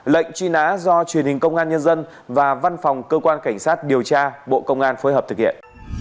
lệnh truy nã do truyền hình công an nhân dân và văn phòng cơ quan cảnh sát điều tra bộ công an phối hợp thực hiện